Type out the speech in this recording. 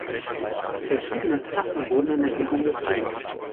Verschiedene Trassen wurden in Erwägung gezogen.